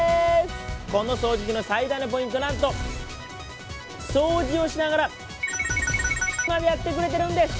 この掃除機の最大のポイント、なんと、掃除をしながら×××までやってくれてるんです。